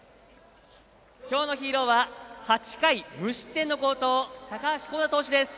今日のヒーローは８回無失点の好投高橋光成投手です。